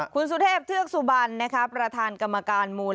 คุณสุเทพเทือกสุบันประธานกรรมการมูล